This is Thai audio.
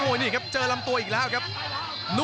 โอ้ยนี่ครับเจอรำตัวอีกแล้วครับครับ